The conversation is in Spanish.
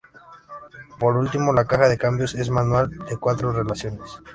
Por último, la caja de cambios es manual de cuatro relaciones.